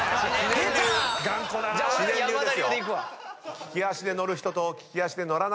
利き足で乗る人と利き足で乗らない人。